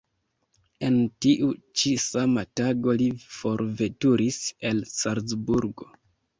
En tiu ĉi sama tago li forveturis el Salzburgo.